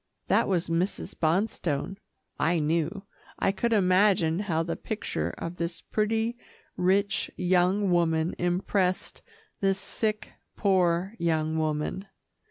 That was Mrs. Bonstone, I knew. I could imagine how the picture of this pretty, rich young woman impressed this sick, poor young woman.